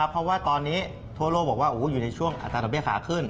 เพราะว่าตอนนี้ทั่วโลกบอกว่าอยู่ในช่วงอัตราดอกเบี้ขาขึ้น